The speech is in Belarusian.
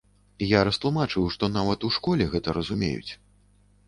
Я растлумачыў, што нават у школе гэта разумеюць.